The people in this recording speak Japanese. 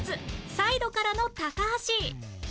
サイドからの高橋！